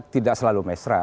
tidak selalu mesra